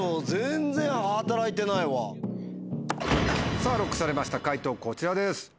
さぁＬＯＣＫされました解答こちらです。